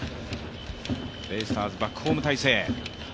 ベイスターズ、バックホーム態勢。